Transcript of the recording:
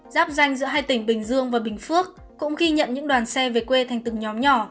giáp danh giữa hai tỉnh bình dương và bình phước cũng ghi nhận những đoàn xe về quê thành từng nhóm nhỏ